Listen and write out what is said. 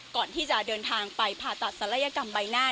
ก่อนที่จะเดินทางไปผ่าตัดศัลยกรรมใบหน้า